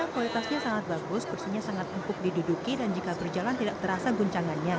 kualitasnya sangat bagus kursinya sangat empuk diduduki dan jika berjalan tidak terasa guncangannya